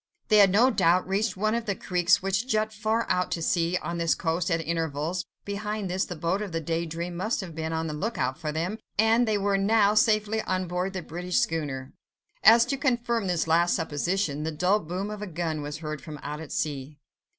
They had no doubt reached one of the creeks which jut far out to sea on this coast at intervals; behind this, the boat of the Day Dream must have been on the look out for them, and they were by now safely on board the British schooner. As if to confirm this last supposition, the dull boom of a gun was heard from out at sea.